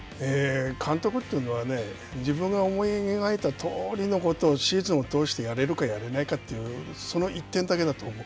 監督というのはね自分が思い描いたとおりのことをシーズンを通してやれるかやれないかというその一点だけだと思う。